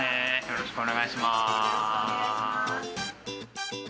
よろしくお願いします。